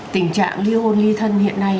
tình trạng li hôn li thân hiện nay